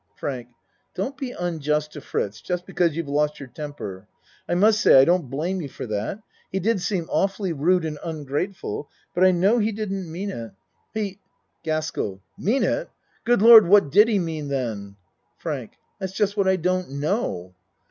FRANK Don't be unjust to Fritz just because you've lost your temper. I must say I don't blame you for that he did seem awfully rude and un grateful, but I know he didn't mean it. He 72 A MAN'S WORLD GASKELL Mean it? Good Lord, what did he mean then? FRANK That's just what I don't know.